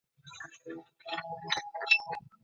ادبیاتو پوهنځۍ په تصادفي ډول نه ټاکل کیږي.